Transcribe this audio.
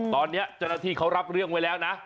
ตอนนี้เจ้าหน้าที่เขารับเรื่องไว้แล้วนะ